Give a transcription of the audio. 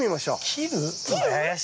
切る？